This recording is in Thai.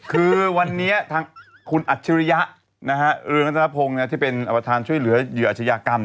คือวันนี้ทางคุณอัจฉิริยะนะฮะเรืองรัฐพงศ์ที่เป็นอวทานช่วยเหลือเหยื่ออัจฉิริยากรรม